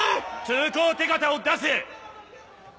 通行手形を出せ！